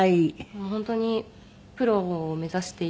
もう本当にプロを目指していて。